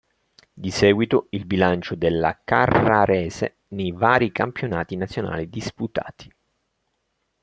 Di seguito il bilancio della Carrarese nei vari campionati nazionali disputati.